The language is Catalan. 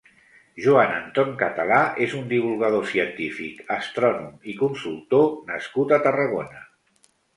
Joan Anton Català és un divulgador científic, astrònom i consultor nascut a Tarragona.